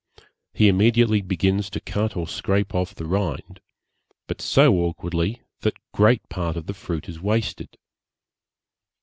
He immediately begins to cut or scrape off the rind, but so awkwardly that great part of the fruit is wasted.